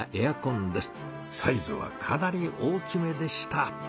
サイズはかなり大きめでした。